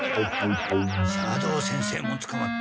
斜堂先生もつかまった。